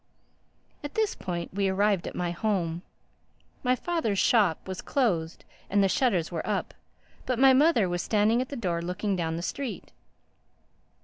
At this point we arrived at my home. My father's shop was closed and the shutters were up; but my mother was standing at the door looking down the street.